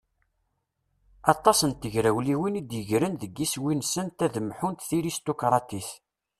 Aṭas n tegrawliwin i d-yegren deg iswi-nsent ad mḥunt tiristukraṭit.